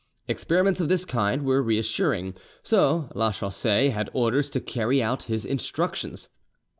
Experiments of this kind were reassuring; so Lachaussee had orders to carry out his instructions.